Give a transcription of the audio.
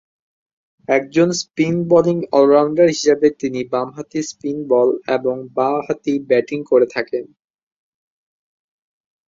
একজন spin bowling allrounder হিসেবে তিনি বাম-হাতি স্পিন বল এবং বা-হাতি ব্যাটিং করে থাকেন।